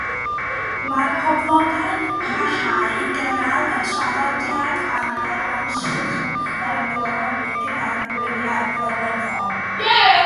Mae'r boblogaeth yn parhau i gynnal y traddodiad a'r defosiwn ffyddlon, gyda'u gwyliau blynyddol.